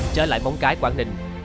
trở lại bóng cái quảng ninh